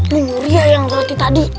lu nguri ya yang roti tadi